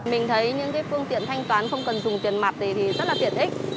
mình thấy những phương tiện thanh toán không cần dùng tiền mặt này thì rất là tiện ích